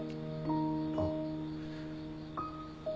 あっ。